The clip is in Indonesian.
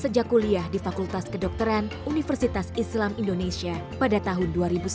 sejak kuliah di fakultas kedokteran universitas islam indonesia pada tahun dua ribu sepuluh